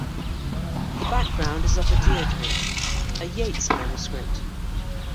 The background is of a Deirdre, a Yeats manuscript.